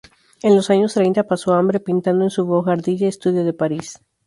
En los años treinta pasó hambre, pintando en su buhardilla estudio de París.